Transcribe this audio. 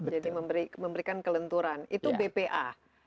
jadi memberikan kelenturan itu bpa